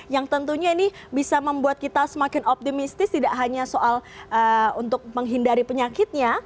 yang tentunya ini bisa membuat kita semakin optimistis tidak hanya soal untuk menghindari penyakitnya